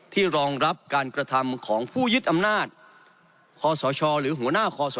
รองรับการกระทำของผู้ยึดอำนาจคอสชหรือหัวหน้าคอส